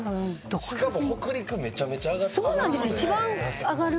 しかも北陸めちゃめちゃ上がってる。